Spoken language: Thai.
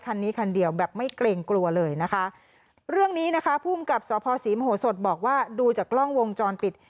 คันนี้คันเดียวแบบไม่เกรงกลัวเลยนะคะเรื่องนี้นะคะภูมิกับสภศรีมโหสดบอกว่าดูจากกล้องวงจรปิด